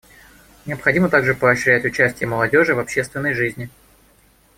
Необходимо также поощрять участие молодежи в общественной жизни.